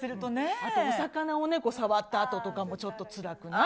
あとお魚を触ったあととかもちょっとつらくない？